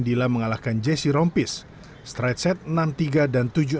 dila mengalahkan jesse rompis strideset enam tiga dan tujuh enam tiebreak tujuh